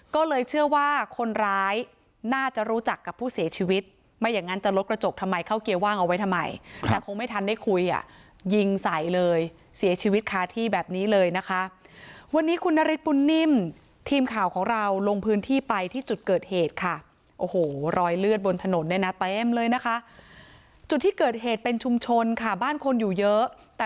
ก็เลยเชื่อว่าคนร้ายน่าจะรู้จักกับผู้เสียชีวิตไม่อย่างนั้นจะลดกระจกทำไมเข้าเกียร์ว่างเอาไว้ทำไมแต่คงไม่ทันได้คุยอ่ะยิงใส่เลยเสียชีวิตคาที่แบบนี้เลยนะคะวันนี้คุณนฤทธบุญนิ่มทีมข่าวของเราลงพื้นที่ไปที่จุดเกิดเหตุค่ะโอ้โหรอยเลือดบนถนนเนี่ยนะเต็มเลยนะคะจุดที่เกิดเหตุเป็นชุมชนค่ะบ้านคนอยู่เยอะแต่